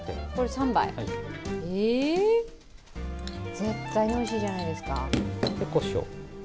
絶対においしいじゃないですか。